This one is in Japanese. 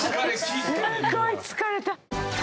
すごい疲れた！